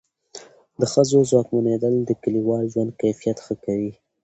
د ښځو ځواکمنېدل د کلیوال ژوند کیفیت ښه کوي.